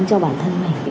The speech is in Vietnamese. cho bản thân mình